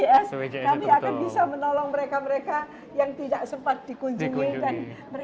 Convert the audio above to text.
kami akan bisa menolong mereka mereka yang tidak sempat dikunjungi